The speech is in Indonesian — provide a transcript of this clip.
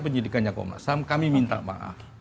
penyidikannya komnas ham kami minta maaf